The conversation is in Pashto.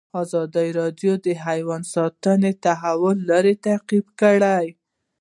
ازادي راډیو د حیوان ساتنه د تحول لړۍ تعقیب کړې.